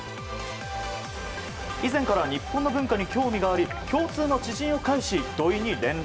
以前から日本の文化に興味があり共通の知人を介し、土井に連絡。